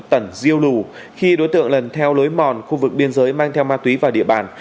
tẩn diêu lù khi đối tượng lần theo lối mòn khu vực biên giới mang theo ma túy vào địa bàn